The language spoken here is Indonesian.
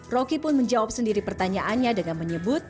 rocky pun menjawab sendiri pertanyaannya dengan menyebut